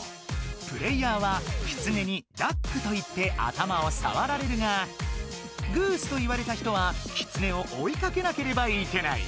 プレーヤーはキツネに「ダック」と言って頭をさわられるが「グース」と言われた人はキツネを追いかけなければいけない。